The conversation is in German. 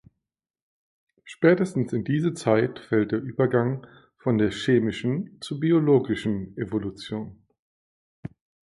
Spätestens in diese Zeit fällt der Übergang von der chemischen zur biologischen Evolution.